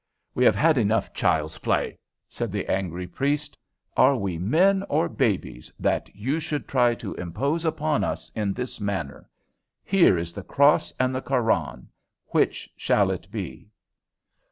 "We have had enough child's play," said the angry priest. "Are we men or babes, that you should try to impose upon us in this manner? Here is the cross and the Koran which shall it be?"